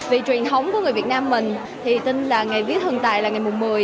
vì truyền thống của người việt nam mình thì tin là ngày viết thần tài là ngày một mươi